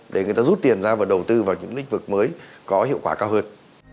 để người ta rút tiền ra và đầu tư vào những lĩnh vực mới có hiệu quả cao hơn